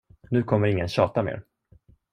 Nu kommer ingen tjata mer.